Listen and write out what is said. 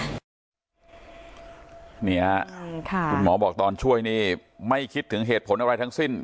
นี่ฮะคุณหมอบอกตอนช่วยนี่ไม่คิดถึงเหตุผลอะไรทั้งสิ้น